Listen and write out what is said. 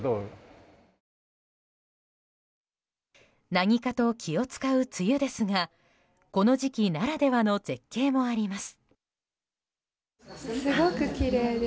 何かと気を使う梅雨ですがこの時期ならではの絶景もあります。